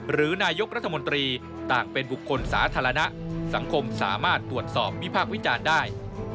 หรือนายกรัฐมนตรีต่างเป็นบุคคลสาธารณะสังคมสามารถตรวจสอบวิพากษ์วิจารณ์ได้